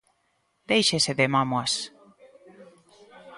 ¡Déixese de mámoas!